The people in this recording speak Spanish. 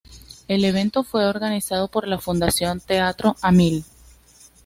El evento fue organizado por la Fundación Teatro a Mil.